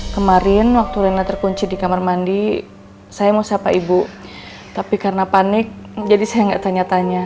kemarin waktu rena terkunci di kamar mandi saya mau siapa ibu tapi karena panik jadi saya nggak tanya tanya